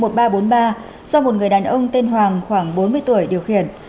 do một người đàn ông tên hoàng khoảng bốn mươi tuổi điều khiển